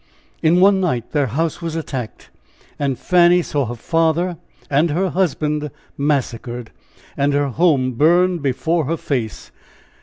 In one night their house was attacked, and Fanny saw her father and her husband massacred, and her home burned before her face!